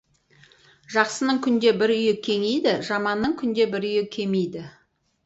Жақсының күнде бір үйі кеңиді, жаманның күнде бір үйі кемиді.